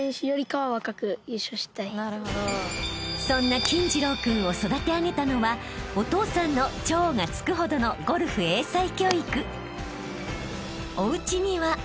［そんな金次郎君を育て上げたのはお父さんの超がつくほどのゴルフ英才教育］［おうちには］